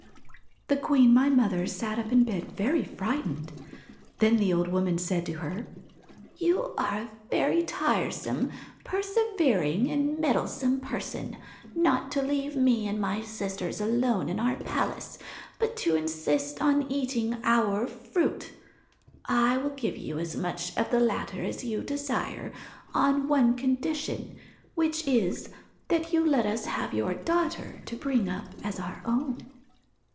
1 The queen, my mother, sat up in bed very fright ened ; then the old woman said to her :" You are a very tiresome, persevering, and meddlesome person, not to leave me and my sisters alone in our palace, but to insist on eating our fruit I will give you as much of the latter as you desire, on one condition, which is that you let us have your daughter to bring up as our own